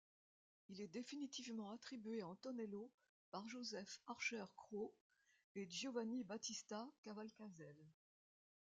Il est définitivement attribué à Antonello par Joseph Archer Crowe et Giovanni Battista Cavalcaselle.